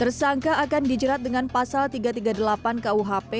tersangka akan dijerat dengan pasal tiga ratus tiga puluh delapan kuhp